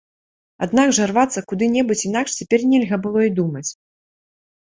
Аднак жа рвацца куды-небудзь інакш цяпер нельга было і думаць.